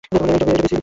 এইডা বেইচ্ছা দিবো?